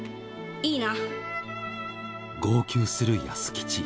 いいな？